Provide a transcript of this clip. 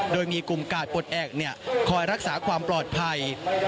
โดยมีกลุ่มกาดปลดแอบคอยรักษาความปลอดภัย